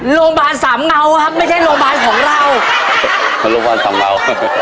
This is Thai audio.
โรงพยาบาลสามเงาครับไม่ใช่โรงพยาบาลของเราโรงพยาบาลสามเงา